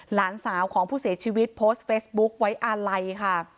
หลานสาวของผู้เสียชีวิตโพสต์เฟซบุ๊คไว้อาลัยค่ะ